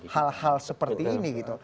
hal hal seperti ini gitu